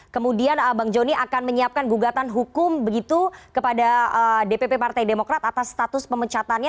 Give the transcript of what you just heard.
kemudian bang joni akan menyiapkan gugatan hukum begitu kepada dpp partai demokrat atas status pemecatannya